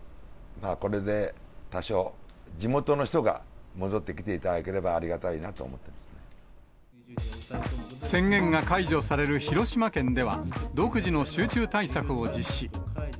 これで多少、地元の人が戻ってきていただければありがたいなと思宣言が解除される広島県では、独自の集中対策を実施。